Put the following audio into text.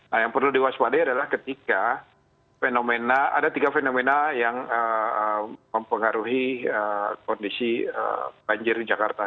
nah yang perlu diwaspadai adalah ketika fenomena ada tiga fenomena yang mempengaruhi kondisi banjir di jakarta